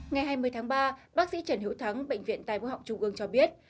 ngày hai mươi tháng ba bác sĩ trần hiễu thắng bệnh viện tài bộ học trung ương cho biết